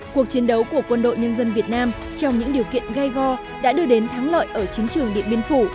cuộc chiến đấu của quân đội nhân dân việt nam trong những điều kiện gai go đã đưa đến thắng lợi ở chiến trường điện biên phủ